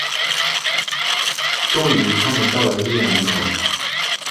终于他们到了医院门口